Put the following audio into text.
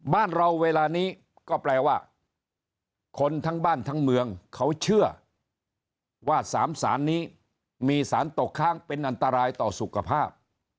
บ้านเราเวลานี้ก็แปลว่าคนทั้งบ้านทั้งเมืองเขาเชื่อว่า๓สารนี้มีสารตกค้างเป็นอันตรายต่อสุขภาพ